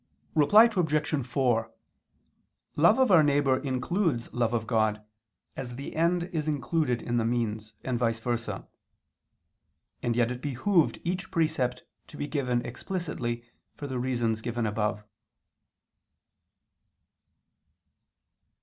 Reply Obj. 4: Love of our neighbor includes love of God, as the end is included in the means, and vice versa: and yet it behooved each precept to be given explicitly, for the reason given above.